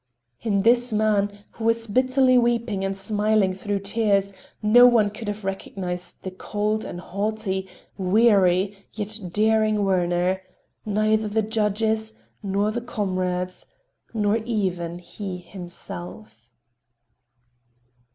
In this man, who was bitterly weeping and smiling through tears, no one could have recognized the cold and haughty, weary, yet daring Werner—neither the judges, nor the comrades, nor even he himself.